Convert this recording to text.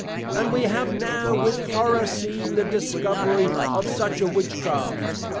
_ And we have now with Horror seen the Discovery of such a Witchcraft!